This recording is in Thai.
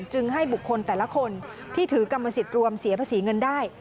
จึงให้บุคคลแต่ละคนที่ถือกรรมสิทธิ์รวมเสียภาษีเงินได้